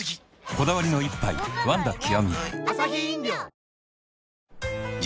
こだわりの一杯「ワンダ極」